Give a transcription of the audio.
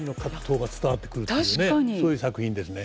そういう作品ですね。